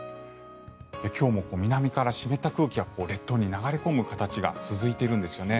今日も南から湿った空気が列島に流れ込む形が続いているんですよね。